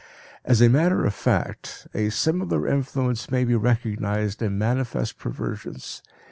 As a matter of fact, a similar influence may be recognized in manifest perversions.